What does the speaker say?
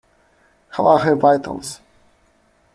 How are her vitals?